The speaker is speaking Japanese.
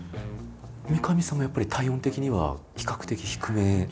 三上さんもやっぱり体温的には比較的低めであったり？